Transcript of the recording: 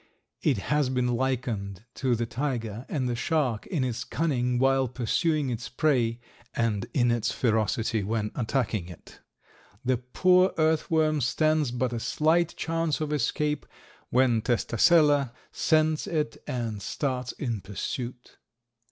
It has been likened to the tiger and the shark in its cunning while pursuing its prey and in its ferocity when attacking it. The poor earth worm stands but a slight chance of escape when Testacella scents it and starts in pursuit.